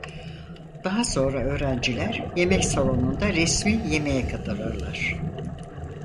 Daha sonra öğrenciler yemek salonunda resmi yemeğe katılırlar.